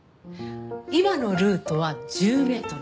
今のルートは１０メートル。